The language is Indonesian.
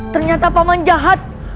ternyata pak man jahat